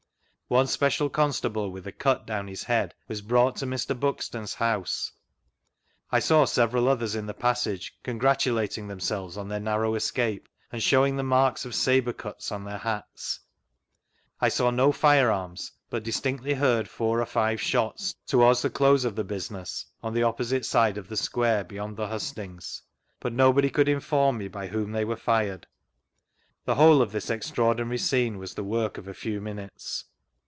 One special constable, with a cut down his head, was brought to Mr. Buxton's bouse. I saw several others in the passage, congratulating themselves on their narrow escape, and showing the marks of sabre cuts on their hats. I saw no firearms, but distinctly heard four or five shots, towards the close of the business, on the oj^iosite side of the square, beyond the hustings; but nobody could inform me by whom they were fired. The whole of this extraordinary scene was the work of a few minutes.